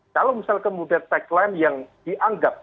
kalau misal kemudian tagline yang dianggap